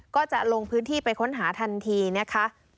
ก็จะลงพื้นที่ไปค้นหาทันทีนะคะ